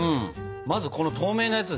まずこの透明なやつで。